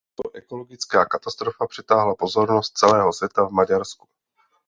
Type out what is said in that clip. Tato ekologická katastrofa přitáhla pozornost celého světa k Maďarsku.